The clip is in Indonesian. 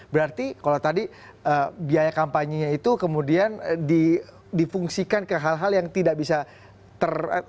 berarti kalau tadi biaya kampanyenya itu kemudian difungsikan ke hal hal yang tidak bisa ter